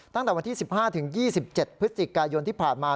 ตั้งแต่วันที่๑๕ถึง๒๗พยที่ผ่านมา